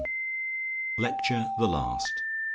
LECTURE THE LAST MRS.